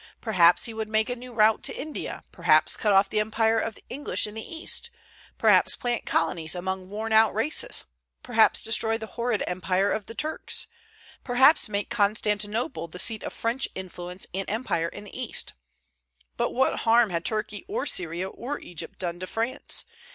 Perhaps he would make a new route to India; perhaps cut off the empire of the English in the East; perhaps plant colonies among worn out races; perhaps destroy the horrid empire of the Turks; perhaps make Constantinople the seat of French influence and empire in the East. But what harm had Turkey or Syria or Egypt done to France?